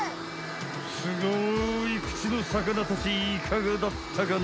すごい口のさかなたちいかがだったかな？